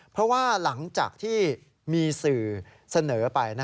เพราะว่าหลังจากที่มีสื่อเสนอไป